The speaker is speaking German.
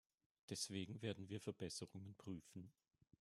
Deswegen werden wir Verbesserungen prüfen.